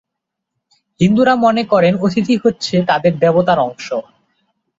হিন্দুরা মনে করেন অতিথি হচ্ছে তাদের দেবতার অংশ।